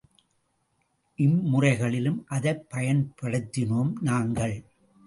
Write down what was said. இம்முறைகளிலும் அதைப் பயன்படுத்தினோம் நாங்கள்.